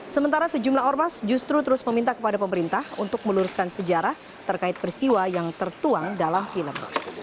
sementara sejumlah ormas justru terus meminta kepada pemerintah untuk meluruskan sejarah terkait peristiwa yang tertuang dalam film